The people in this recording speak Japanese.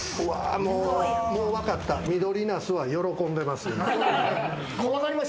もうわかった、ミドリナスは喜んでいます。